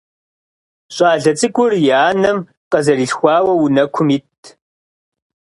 ЩӀалэ цӀыкӀур и анэм къызэрилъхуауэ унэкум итт.